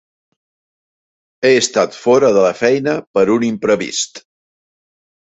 He estat fora de la feina per un imprevist.